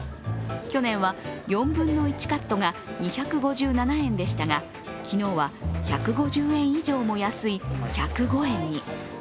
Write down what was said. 去年は４分の１カットが２５７円でしたが昨日は１５０円以上も安い１０５円に。